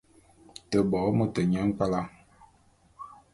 Te bo môt nyi nkpwala.